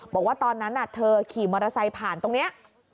บอกว่าตอนนั้นเธอขี่มอเตอร์ไซค์ผ่านตรงนี้